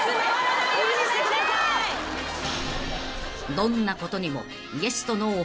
［どんなことにも］